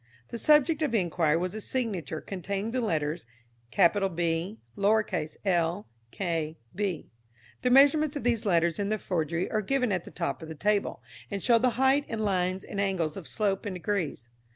The subject of enquiry was a signature containing the letters B, l, k, b. The measurements of these letters in the forgery are given at the top of the table, and show the height in lines and angle of slope in degrees.